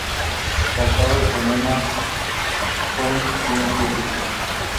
Casado con Emma König, tiene tres hijos.